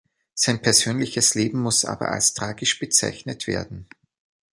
Sein persönliches Leben muss aber als tragisch bezeichnet werden.